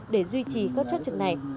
để duy trì các chốt trực này